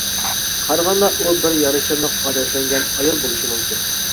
قارىغاندا ئۇ بىر يارىشىملىق ئادەتلەنگەن ئايال بولۇشى مۇمكىن.